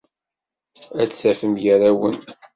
Ad t-tafem gar-awen.